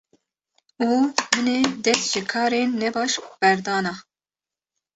û min ê dest ji karên nebaş berdana.